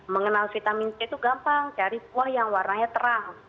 mengenal vitamin c itu gampang cari kuah yang warnanya terang